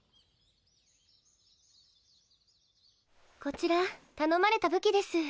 こちら頼まれた武器です。